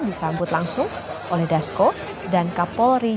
disambut langsung oleh dasko dan kapol rijal